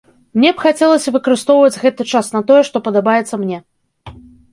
Мне б хацелася выкарыстоўваць гэты час на тое, што падабаецца мне.